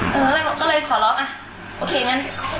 เราก็เลยขอร้องอ่ะโอเคงั้น